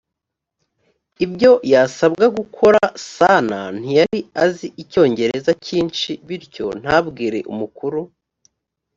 ibyo yasabwaga gukora sanaa ntiyari azi icyongereza cyinshi bityo ntabwire umukuru